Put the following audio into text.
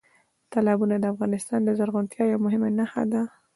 تالابونه د افغانستان د زرغونتیا یوه مهمه نښه ده.